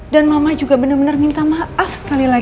dan mama juga bener bener minta maaf sekali lagi sama kamu